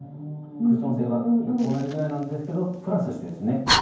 クッション性は同じぐらいなんですけどプラスしてですね